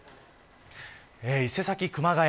伊勢崎、熊谷